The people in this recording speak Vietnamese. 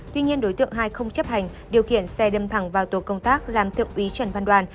tuy nhiên đối tượng hai không chấp hành điều khiển xe đâm thẳng vào tổ công tác làm thượng úy trần văn đoàn